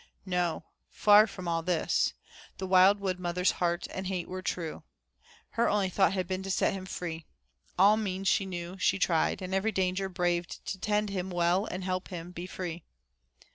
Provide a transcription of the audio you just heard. No, far from all this. The wild wood mother's heart and hate were true. Her only thought had been to set him free. All means she knew she tried, and every danger braved to tend him well and help him to be free.